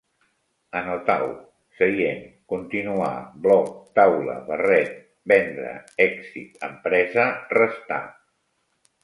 Anotau: seient, continuar, bloc, taula, barret, vendre, èxit, empresa, restar